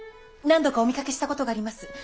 何度かお見かけしたことがあります。